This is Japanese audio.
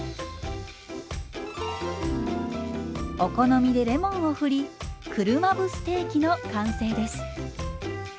お好みでレモンをふり車麩ステーキの完成です。